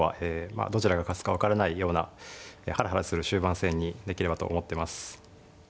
あどちらが勝つか分からないようなハラハラする終盤戦にできればと思ってます。